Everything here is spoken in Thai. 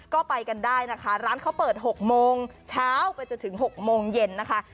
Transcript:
ก็ไปกันได้นะคะร้านเขาเปิด๖โมงเช้าไปจนถึง๖โมงเย็นนะคะ